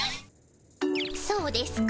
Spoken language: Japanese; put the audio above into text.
そうですか？